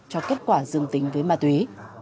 cho kết quả dương tính với ma túy